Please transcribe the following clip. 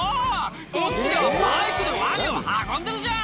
こっちではバイクでワニを運んでるじゃん！